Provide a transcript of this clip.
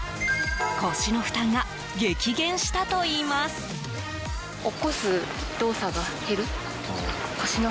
腰の負担が激減したといいます。